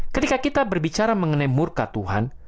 ketika kita berbicara mengenai murka tuhan